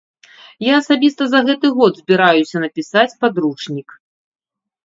Я асабіста за гэты год збіраюся напісаць падручнік.